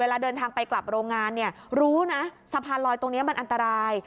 เวลาเดินทางไปกลับโรงงานเนี่ยรู้นะสะพานลอยตรงนี้มันอันตราย